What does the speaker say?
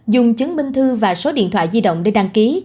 dùng chứng minh thư và số điện thoại di động để đăng ký